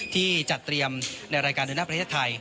ที่จัดเตรียมในรายการเดินหน้าประเทศไทย